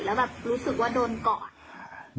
แล้วแบบรู้สึกว่าโดนก่อน